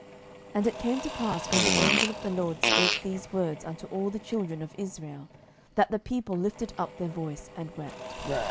07:002:004 And it came to pass, when the angel of the LORD spake these words unto all the children of Israel, that the people lifted up their voice, and wept.